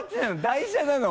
台車なの？